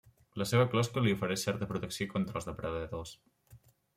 La seva closca li ofereix certa protecció contra els depredadors.